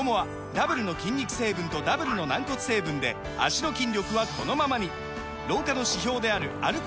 ダブルの筋肉成分とダブルの軟骨成分で脚の筋力はこのままに老化の指標である歩く